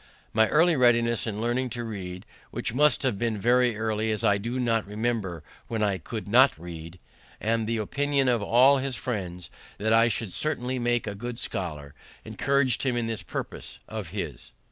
My early readiness in learning to read (which must have been very early, as I do not remember when I could not read), and the opinion of all his friends, that I should certainly make a good scholar, encouraged him in this purpose of his.